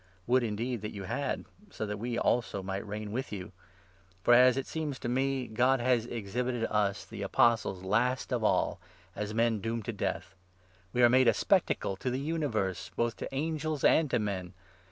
Would indeed that you had, so that we also might reign with you ! For, as it seems to me, 9 God has exhibited us, the Apostles, last of all, as men doomed to death. We are made a spectacle to the universe, both to angels and to men